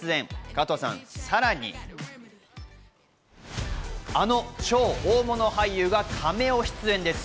加藤さん、さらにあの超大物俳優がカメオ出演です。